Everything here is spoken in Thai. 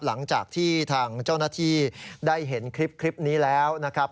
หลังจากที่ทางเจ้าหน้าที่ได้เห็นคลิปนี้แล้วนะครับ